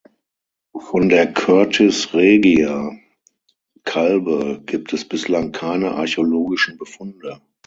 Von der „Curtis regia“ Calbe gibt es bislang keine archäologischen Befunde.